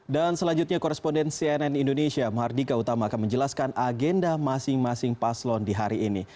dan selanjutnya koresponden cnn indonesia mahardika utama akan menjelaskan agenda masing masing paslon di hari ini